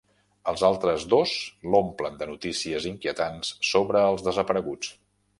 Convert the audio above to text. Els altres dos l'omplen de notícies inquietants sobre els desapareguts.